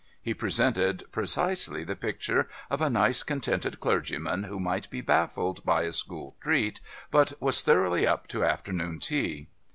He presented precisely the picture of a nice contented clergyman who might be baffled by a school treat but was thoroughly "up" to afternoon tea.